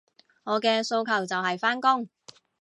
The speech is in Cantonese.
我嘅訴求就係返工